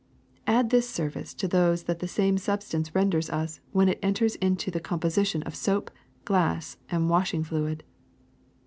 Add this service to those that the same sub stance renders us when it en ters into the composition of soap, glass, and washing fluid.